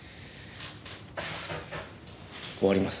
終わります。